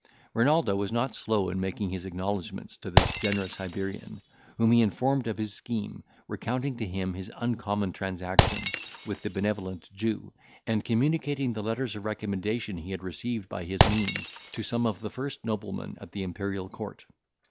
Renaldo was not slow in making his acknowledgments to this generous Hibernian, whom he informed of his scheme, recounting to him his uncommon transaction with the benevolent Jew, and communicating the letters of recommendation he had received by his means to some of the first noblemen at the Imperial court.